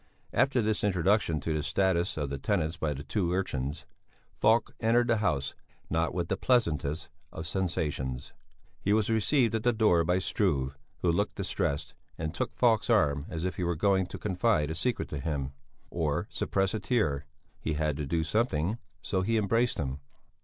After this introduction to the status of the tenants by the two urchins, Falk entered the house not with the pleasantest of sensations. He was received at the door by Struve, who looked distressed, and took Falk's arm as if he were going to confide a secret to him, or suppress a tear he had to do something, so he embraced him.